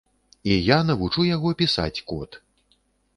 І я навучу яго пісаць код.